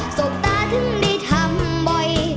สบตาถึงได้ทำบ่อย